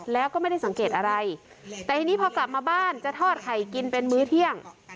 แล้วก็ไม่ได้สังเกตอะไรแต่ทีนี้พอกลับมาบ้านจะทอดไข่กินเป็นมื้อเที่ยง